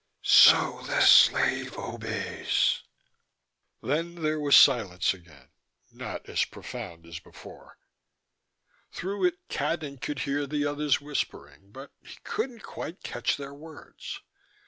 "So the slave obeys." Then there was silence again, not as profound as before. Through it, Cadnan could hear the others whispering, but he couldn't quite catch their words.